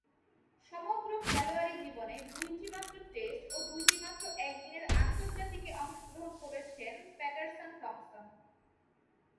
সমগ্র খেলোয়াড়ী জীবনে দুইটিমাত্র টেস্ট ও দুইটিমাত্র একদিনের আন্তর্জাতিকে অংশগ্রহণ করেছেন প্যাটারসন থম্পসন।